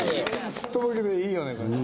すっとぼけてていいよねこれ。